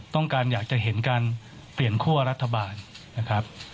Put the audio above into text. ต้องการอยากจะเห็นการเปลี่ยนคั่วรัฐบาลนะครับ